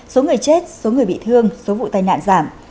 số người chết số người bị thương số vụ tai nạn giảm